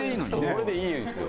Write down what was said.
これでいいですよ。